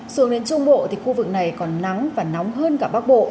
xuống đến trung bộ thì khu vực này còn nắng và nóng hơn cả bắc bộ